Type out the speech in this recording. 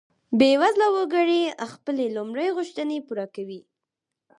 بیوزله وګړي خپلې لومړۍ غوښتنې پوره کوي.